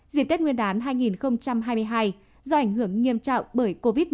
dịp tết nguyên đán hai nghìn hai mươi hai do ảnh hưởng nghiêm trọng bởi covid một mươi chín